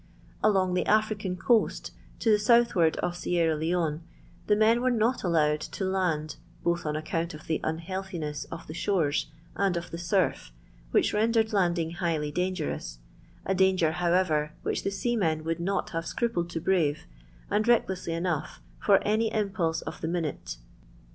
Along the African coast, to the south ward of Sierra Leone, the men were not allowed to land, both on account of the unhealthiness of the shores, and of the surf, which rendered landing highly dangerous, a danger, however, which the seamen would not have scrupled to brave, and recklessly enough, for any impulse of the minute.